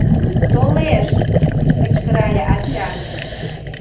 Толеш! — кычкырале ача.